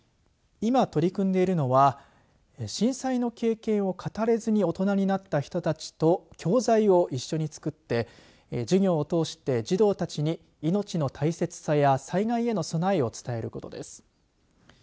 今、取り組んでいるのは震災の経験を語れずに大人になった人たちと教材を一緒に作って授業を通して、児童たちに命の大切さや災害への備えを伝えることです。